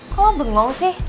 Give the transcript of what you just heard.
kok lo bengong sih